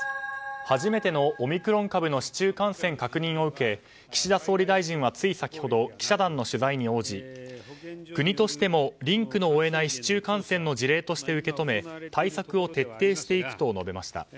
初めてのオミクロン株の市中感染確認を受け岸田総理大臣はつい先ほど記者団の取材に応じ国としてもリンクの追えない市中感染の事例として受け止め対策を徹底していくと述べました。